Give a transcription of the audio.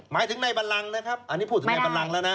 หมายถึงในบันลังนะครับอันนี้พูดถึงในบันลังแล้วนะ